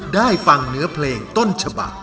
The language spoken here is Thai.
ได้ฟังเนื้อเพลงต้นฉบัก